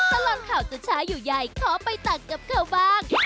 ตลอดข่าวจะช้าอยู่ใหญ่ขอไปตัดกับเขาบ้าง